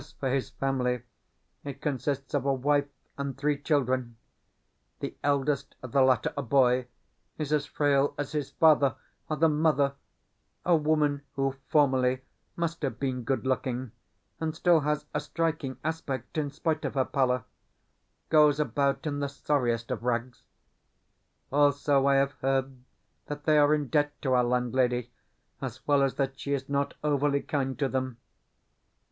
As for his family, it consists of a wife and three children. The eldest of the latter a boy is as frail as his father, while the mother a woman who, formerly, must have been good looking, and still has a striking aspect in spite of her pallor goes about in the sorriest of rags. Also I have heard that they are in debt to our landlady, as well as that she is not overly kind to them.